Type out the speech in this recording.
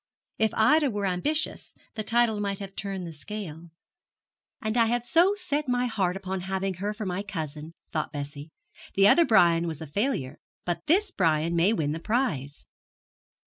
If Ida were ambitious, the title might have turned the scale. 'And I have so set my heart upon having her for my cousin, thought Bessie. 'The other Brian was a failure, but this Brian may win the prize.'